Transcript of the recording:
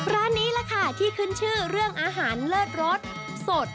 ร้านนี้แหละค่ะที่ขึ้นชื่อเรื่องอาหารเลิศรสสด